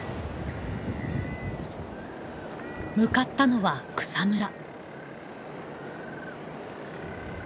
向かったのは草むら。